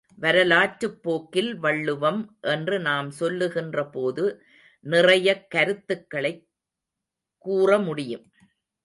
வரலாற்றுப் போக்கில் வள்ளுவம் என்று நாம் சொல்லுகின்றபோது, நிறையக் கருத்துக்களைக் கூற முடியும்.